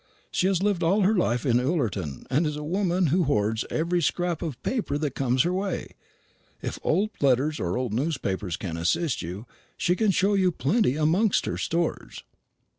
She has lived all her life in Ullerton, and is a woman who hoards every scrap of paper that comes in her way. If old letters or old newspapers can assist you, she can show you plenty amongst her stores."